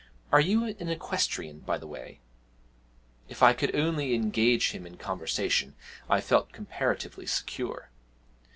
'Are you an equestrian, by the way?' If I could only engage him in conversation I felt comparatively secure.